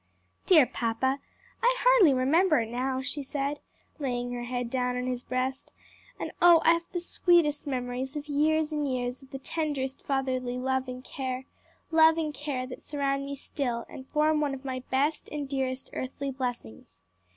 "Dear papa, I hardly remember it now," she said, laying her head down on his breast; "and oh I have the sweetest memories of years and years of the tenderest fatherly love and care! love and care that surround me still and form one of my best and dearest earthly blessings.